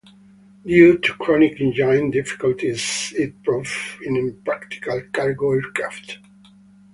Due to chronic engine difficulties, it proved an impractical cargo aircraft.